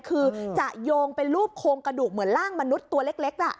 คือจะโยงเป็นรูปโครงกระดูกเหมือนร่างมนุษย์ตัวเล็ก